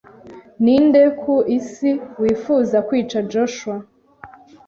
Ninde ku isi wifuza kwica Joshua?